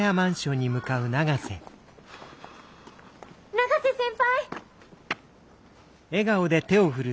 永瀬先輩！